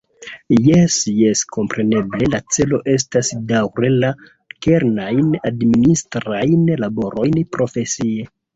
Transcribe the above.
Jes, jes, kompreneble la celo estas daŭre fari la kernajn administrajn laborojn profesie.